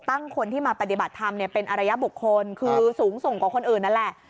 คนที่มาปฏิบัติธรรมเป็นอรยบุคคลคือสูงส่งกว่าคนอื่นนั่นแหละ